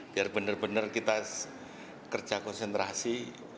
biar benar benar kita kerja konsentrasi